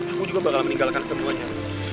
aku juga bakal meninggalkan semuanya